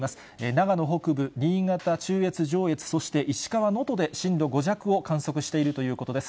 長野北部、新潟、中越、上越、そして石川・能登で震度５弱を観測しているということです。